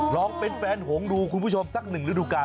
ลองเป็นแฟนหงดูคุณผู้ชมสักหนึ่งฤดูกาล